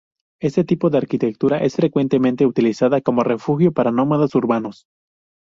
Este tipo de arquitectura es frecuentemente utilizada como refugio para nómadas urbanos.